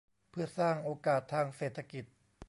เพื่อสร้างโอกาสทางเศรษฐกิจ